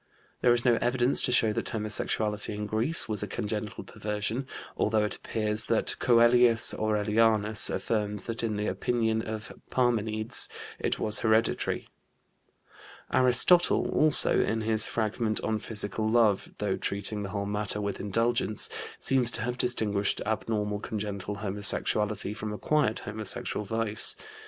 There is no evidence to show that homosexuality in Greece was a congenital perversion, although it appears that Coelius Aurelianus affirms that in the opinion of Parmenides it was hereditary. Aristotle also, in his fragment on physical love, though treating the whole matter with indulgence, seems to have distinguished abnormal congenital homosexuality from acquired homosexual vice.